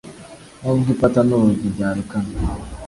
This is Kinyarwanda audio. Nubwo ipata nurugi byarekana